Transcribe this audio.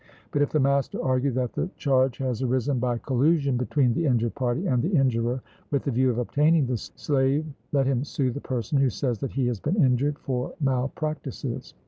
But if the master argue that the charge has arisen by collusion between the injured party and the injurer, with the view of obtaining the slave, let him sue the person, who says that he has been injured, for malpractices.